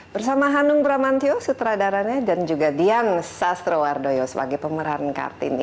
bersama hanung bramantyo dan dian sastrowardoyo sebagai pemeran kartini